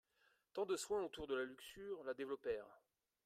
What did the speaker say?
Tant de soins autour de la Luxure la développèrent.